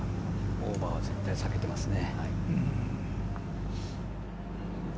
オーバーは絶対避けていますね。